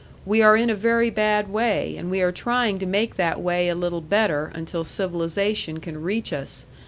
We are in a very bad way, and we are trying to make that way a little better until civilization can reach us.